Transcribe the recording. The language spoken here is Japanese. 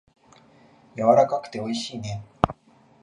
やわらかくておいしいね。